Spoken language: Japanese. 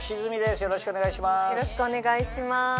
よろしくお願いします。